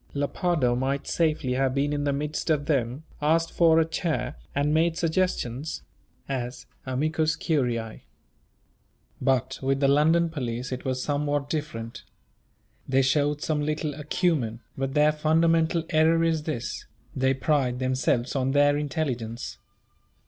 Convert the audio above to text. Lepardo might safely have been in the midst of them, asked for a chair, and made suggestions. as "amicus curiæ." But with the London police it was somewhat different. They showed some little acumen, but their fundamental error is this they pride themselves on their intelligence.